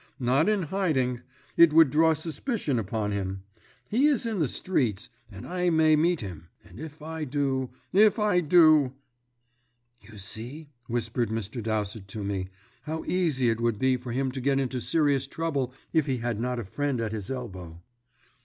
Not in hiding! It would draw suspicion upon him. He is in the streets, and I may meet him. If I do, if I do " "You see," whispered Mr. Dowsett to me, "how easy it would be for him to get into serious trouble if he had not a friend at his elbow."